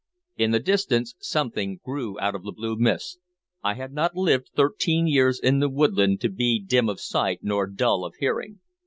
In the distance something grew out of the blue mist. I had not lived thirteen years in the woodland to be dim of sight or dull of hearing.